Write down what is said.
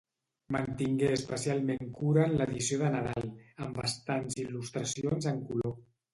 Mantingué especialment cura en l'edició de nadal, amb bastants il·lustracions en color.